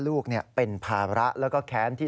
ลูกเป็นภาระแล้วก็แค้นที่